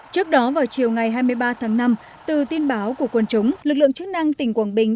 trước đó vào chiều ngày hai mươi ba tháng năm từ tin báo của quân chúng lực lượng chức năng tỉnh quảng bình